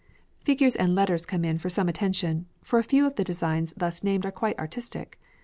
Figures and letters come in for some attention, for a few of the designs thus named are quite artistic.